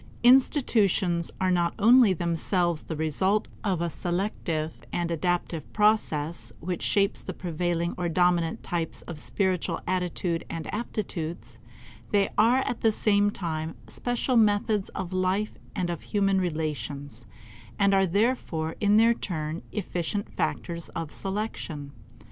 Institutions are not only themselves the result of a selective and adaptive process which shapes the prevailing or dominant types of spiritual attitude and aptitudes; they are at the same time special methods of life and of human relations, and are therefore in their turn efficient factors of selection.